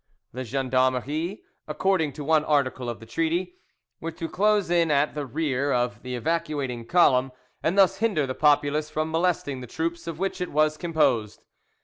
The gendarmerie, according to one article of the treaty, were to close in at, the rear of the evacuating column; and thus hinder the populace from molesting the troops of which it was composed.